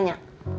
lo gak tau